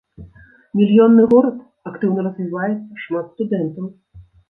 Мільённы горад, актыўна развіваецца, шмат студэнтаў.